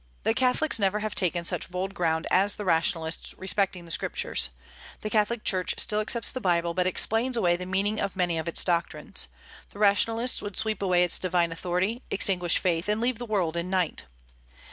The Catholics never have taken such bold ground as the rationalists respecting the Scriptures. The Catholic Church still accepts the Bible, but explains away the meaning of many of its doctrines; the rationalists would sweep away its divine authority, extinguish faith, and leave the world in night.